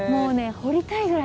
「掘りたいぐらい」！